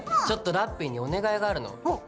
ちょっとラッピィにお願いがあるの。